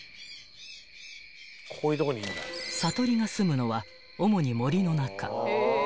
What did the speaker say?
［さとりがすむのは主に森の中］